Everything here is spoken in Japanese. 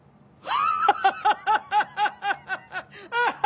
アハハハハ！